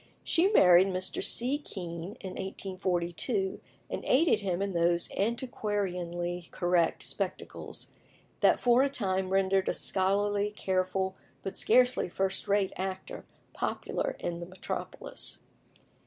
She married Mr. C. Kean in 1842, and aided him in those antiquarianly correct spectacles that for a time rendered a scholarly, careful, but scarcely first rate actor popular in the metropolis.